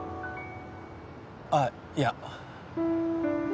あっいや。